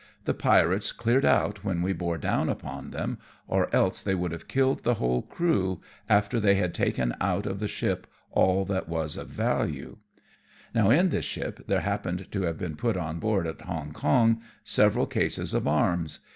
The pirates cleared out when we bore down upon them, or else they would have killed the whole crew, after they had taken out of the ship all that was of SCUDDING ACROSS A TYPHOON. 57 value. Now in this ship there happened to have been put on board at Hong Kong several cases of arms.